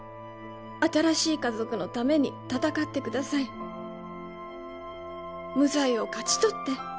「新しい家族のために戦ってください」「無罪を勝ち取って」